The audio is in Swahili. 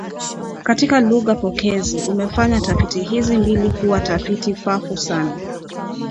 katika lugha pokezi umefanya tafiti hizi mbili kuwa tafiti faafu sana